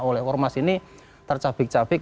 oleh hormat sini tercabik cabik